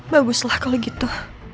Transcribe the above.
baguslah kalo gitu